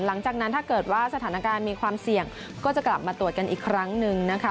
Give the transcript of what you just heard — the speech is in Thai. หลังจากนั้นถ้าเกิดว่าสถานการณ์มีความเสี่ยงก็จะกลับมาตรวจกันอีกครั้งหนึ่งนะคะ